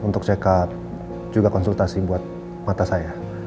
untuk ck juga konsultasi buat mata saya